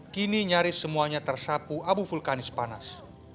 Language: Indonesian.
kini nyaris semuanya tersapu abu vulkanis panas